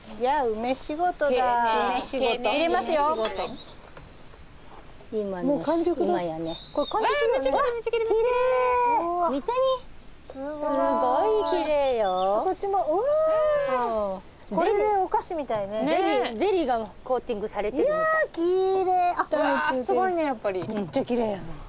めっちゃきれいやね。